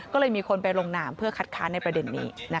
ก็เลยมีคนไปลงนามเพื่อคัดค้านในประเด็นนี้